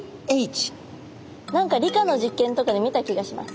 何か理科の実験とかで見た気がします。